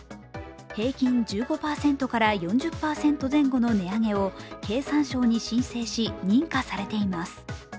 平均１５％から４０％前後の値上げを経産省に申請し認可されています。